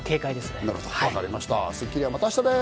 『スッキリ』はまた明日です。